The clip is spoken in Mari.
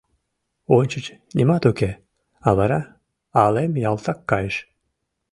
Ончыч нимат уке, а вара алем ялтак кайыш.